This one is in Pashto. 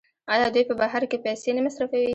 آیا دوی په بهر کې پیسې نه مصرفوي؟